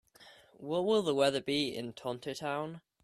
What will the weather be in Tontitown?